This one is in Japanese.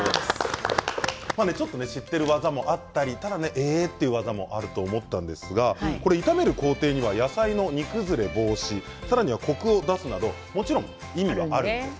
ちょっと知っている技もあったりええ？という技もあると思うんですが炒める工程には野菜の煮崩れ防止さらにはコクを出すなどもちろん意味はあるんです。